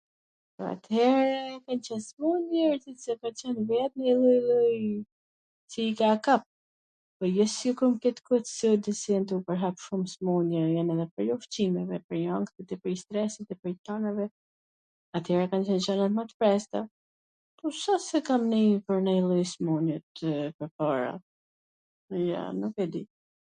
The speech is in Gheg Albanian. at-here kan qwn smun njerzit se pwr t qwn vet lloj lloj qw i ka kap, jo se kwt koh t sodit s jan tu u pwrhap shum smun-je, jan edhe prej ushqimeve, prej ankthit e prej stresit e prej tanave ... at-here kan qwn gjanat edhe ma t freskta, po s wsht se kam nii pwr nonj lloj smun-je, at-her, pwrpara, jo, nuk e di.